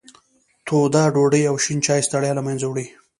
توده ډوډۍ او شین چای ستړیا له منځه وړي.